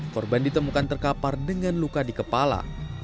korban ditemukan terkapar dengan luka di kepala